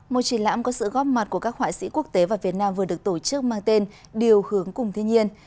một triển lãm có sự góp mặt của các họa sĩ quốc tế và việt nam vừa được tổ chức mang tên điều hướng cùng thiên nhiên